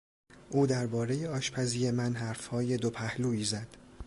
او دربارهی آشپزی من حرفهای دوپهلویی زد.